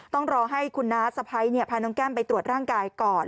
ต้องรอให้คุณน้าสะพ้ายพาน้องแก้มไปตรวจร่างกายก่อน